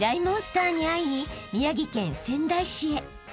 モンスターに会いに宮城県仙台市へ］